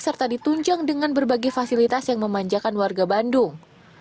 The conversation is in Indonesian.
serta ditunjang dengan berbagai fasilitas yang memanjakan warga bandung